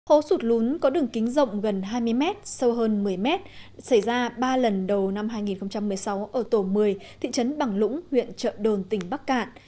hố sụt lún có đường kính rộng gần hai mươi m sâu hơn một mươi mét xảy ra ba lần đầu năm hai nghìn một mươi sáu ở tổ một mươi thị trấn bằng lũng huyện trợ đồn tỉnh bắc cạn